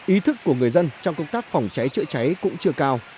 ý thức của người dân trong công tác phòng cháy chữa cháy cũng chưa cao